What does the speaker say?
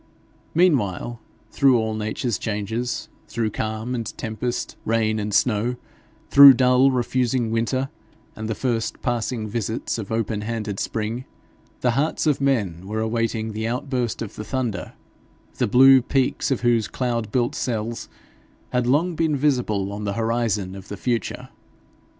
Meanwhile, through all nature's changes, through calm and tempest, rain and snow, through dull refusing winter, and the first passing visits of open handed spring, the hearts of men were awaiting the outburst of the thunder, the blue peaks of whose cloud built cells had long been visible on the horizon of the future.